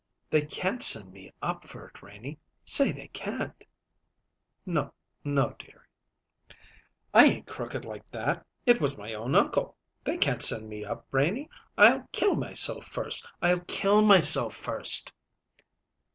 "They can't send me up for it, Renie say they can't!" "No no, dearie." "I ain't crooked like that! It was my own uncle. They can't send me up, Renie. I'll kill myself first! I'll kill myself first!"